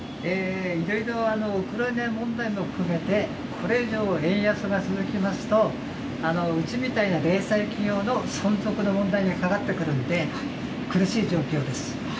いろいろウクライナ問題も含めて、これ以上、円安が続きますと、うちみたいな零細企業の存続の問題にかかってくるんで、苦しい状況です。